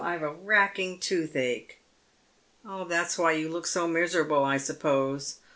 I've a racking toothache." " That's why you look so miserable, I suppose.